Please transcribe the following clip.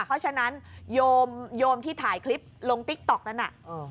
เพราะฉะนั้นโยมโยมที่ถ่ายคลิปลงติ๊กต๊อกนั้นน่ะ